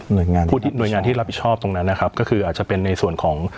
โดยงานผู้ที่หน่วยงานที่รับผิดชอบตรงนั้นนะครับก็คืออาจจะเป็นในส่วนของ